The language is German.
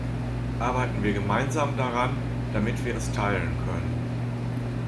Arbeiten wir gemeinsam daran, damit wir es teilen können.